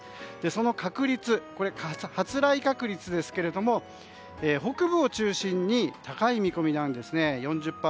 その確率、発雷確率ですけれども北部を中心に高い見込みなんですね。